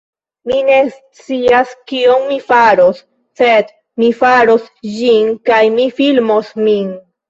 Mi ne scias kion mi faros, sed mi faros ĝin, kaj mi filmos min.